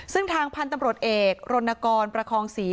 ซึ่งทางพันธุ์ตำรวจเอกรณกรประคองศรี